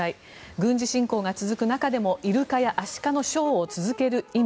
軍事侵攻が続く中でもイルカやアシカのショーを続ける意味。